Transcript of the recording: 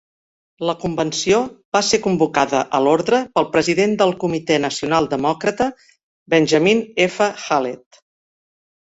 La convenció va ser convocada a l'ordre pel president del Comitè Nacional Demòcrata Benjamin F. Hallett.